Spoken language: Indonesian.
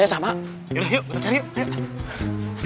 yaudah yuk kita cari yuk